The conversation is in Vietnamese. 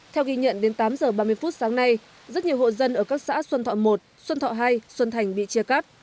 theo ghi nhận đến tám h ba mươi phút sáng nay rất nhiều hộ dân ở các xã xuân thọ một xuân thọ hai xuân thành bị chia cắt